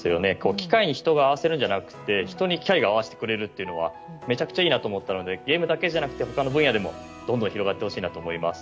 機械に人が合わせるんじゃなくて人が機械に合わせるということはめちゃくちゃいいなと思ったのでゲームだけじゃなくて他の分野でも広がってほしいなと思います。